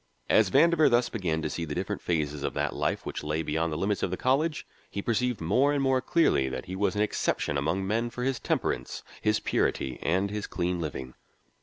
As Vandover thus began to see the different phases of that life which lay beyond the limits of the college, he perceived more and more clearly that he was an exception among men for his temperance, his purity, and his clean living.